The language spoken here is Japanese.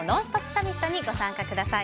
サミットに参加してください。